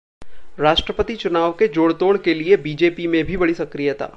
राष्ट्रपति चुनाव के जोड़तोड़ के लिए बीजेपी में भी बढ़ी सक्रियता